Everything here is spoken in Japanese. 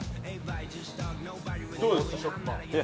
・どうですか？